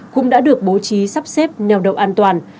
cũng đã được bố trí sắp xếp neo đậu an toàn